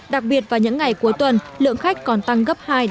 đặc biệt vào những ngày cuối tuần lượng khách còn tăng gấp hai ba lần